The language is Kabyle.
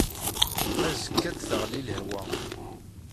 Azekka ad d-teɣli lehwa.